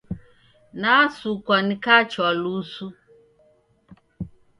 Nasukwa nikachwa lusu.